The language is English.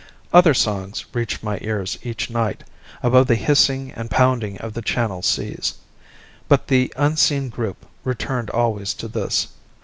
Other songs reached my ears each night, above the hissing and pounding of the Channel seas, but the unseen group returned always to this.